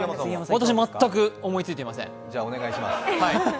私、全く思いついていません